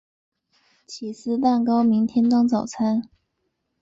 起司蛋糕明天当早餐